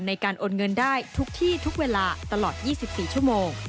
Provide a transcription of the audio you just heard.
ในการโอนเงินได้ทุกที่ทุกเวลาตลอด๒๔ชั่วโมง